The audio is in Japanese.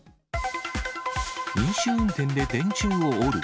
飲酒運転で電柱を折る。